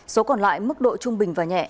số còn lại mức độ trung bình và nhẹ